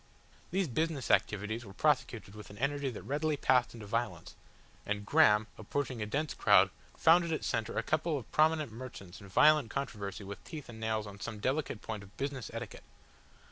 These business activities were prosecuted with an energy that readily passed into violence, and Graham approaching a dense crowd found at its centre a couple of prominent merchants in violent controversy with teeth and nails on some delicate point of business etiquette.